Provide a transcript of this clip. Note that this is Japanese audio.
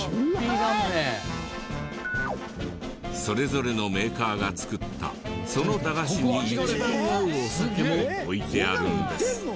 それぞれのメーカーが作ったその駄菓子に一番合うお酒も置いてあるんです。